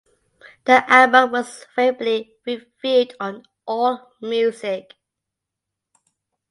The album was favorably reviewed on Allmusic.